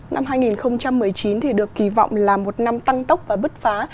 năm hai nghìn một mươi chín được kỳ vọng là một năm tăng tốc và bứt phá